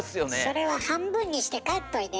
それは半分にして帰っといで。